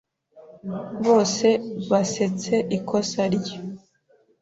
Bose basetse ikosa rye.